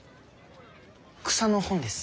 草の本です。